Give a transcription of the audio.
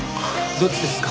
どっちですか？